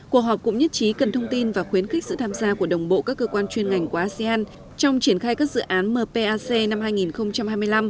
cuộc họp cũng nhất trí cần thông tin và khuyến khích sự tham gia của đồng bộ các cơ quan chuyên ngành của asean trong triển khai các dự án mpac năm hai nghìn hai mươi năm